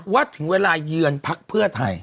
ถึงเวลาเยือนพักเพื่อไทย